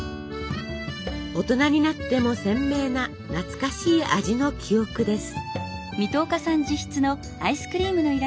大人になっても鮮明な懐かしい味の記憶です。